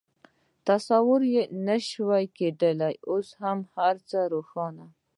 تصور لا نه شوای کېدای، اوس هر څه روښانه.